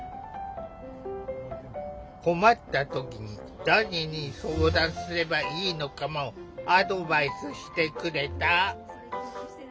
困った時に誰に相談すればいいのかもアドバイスしてくれた。